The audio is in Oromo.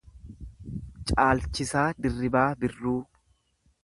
Caalchisaa Dirribaa Birruu